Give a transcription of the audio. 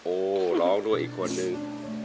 โอ้ร้องด้วยอีกคนนึง